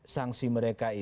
sangsi mereka itu